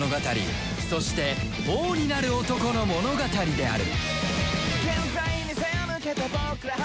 そして王になる男の物語である